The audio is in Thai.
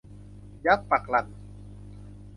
ยักษ์ปักหลั่น